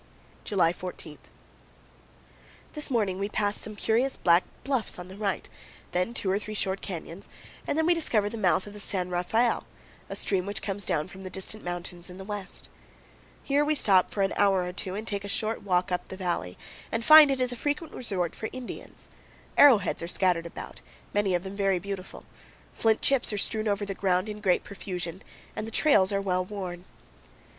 July 14. This morning we pass some curious black bluffs on the right, then two or three short canyons, and then we discover the mouth of the San Rafael, a stream which comes down from the distant mountains in the west. Here we stop for an hour or two and take a short walk up the valley, and find it is a frequent resort for Indians. Arrowheads are scattered about, many of them very beautiful; flint chips are strewn over the ground in great profusion, and the trails are well worn.